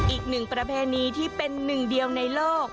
อีกหนึ่งประเพณีที่เป็นหนึ่งเดียวในโลก